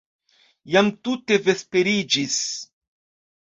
Jam tute vesperiĝis.